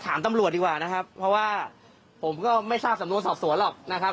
ตำรวจดีกว่านะครับเพราะว่าผมก็ไม่ทราบสำนวนสอบสวนหรอกนะครับ